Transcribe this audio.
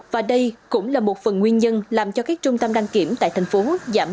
và đây cũng là một phần nguyên nhân làm cho các trường hợp này